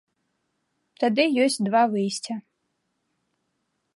Тады ёсць два выйсця.